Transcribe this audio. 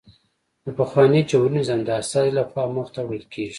د پخواني جمهوري نظام د استازي له خوا مخته وړل کېږي